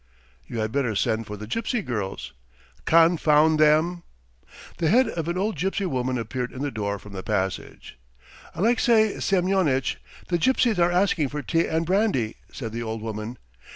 "You had better send for the gypsy girls." "Confound them!" The head of an old gypsy woman appeared in the door from the passage. "Alexey Semyonitch, the gypsies are asking for tea and brandy," said the old woman.